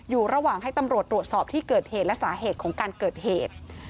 อยู่ระหว่างให้ตำรวจตรวจสอบที่เกิดเหตุและสาเหตุของการเกิดเหตุ